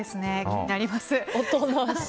気になります。